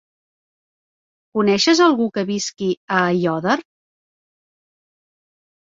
Coneixes algú que visqui a Aiòder?